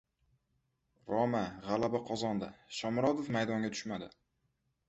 "Roma" g‘alaba qozondi, Shomurodov maydonga tushmadi